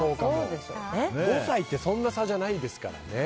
５歳ってそんな差じゃないですからね。